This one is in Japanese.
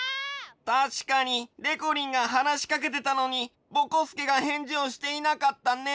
たしかにでこりんがはなしかけてたのにぼこすけがへんじをしていなかったね。